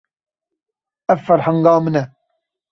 Ev ferhenga min e.